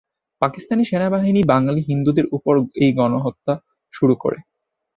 পাকিস্তান সেনাবাহিনী বাঙালি হিন্দুদের ওপর এই গণহত্যা শুরু করে।